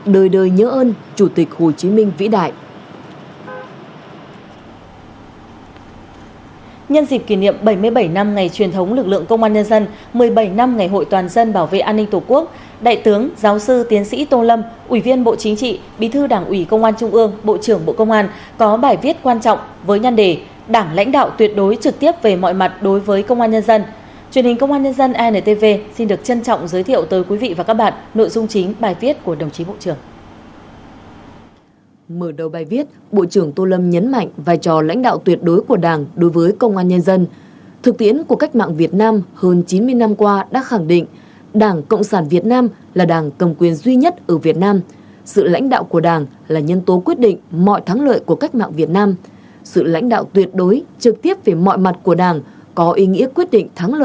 đời đời nhớ ơn chủ tịch hồ chí minh vĩ đại